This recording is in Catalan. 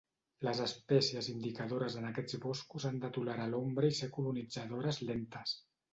Les espècies indicadores en aquests boscos han de tolerar l'ombra i ser colonitzadores lentes.